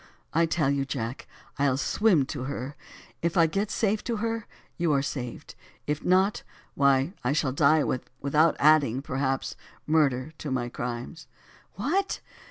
I tell you Jack, I'll swim to her, if I get safe to her, you are saved, if not, why I shall die without adding, perhaps, murder to my crimes." "What!